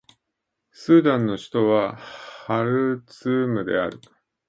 スーダンの首都はハルツームである